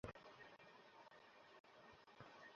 ভারতের পতৌদির ছোট নবাব সাইফ আলী খানের সঙ্গে বিয়ে হয়েছে তার।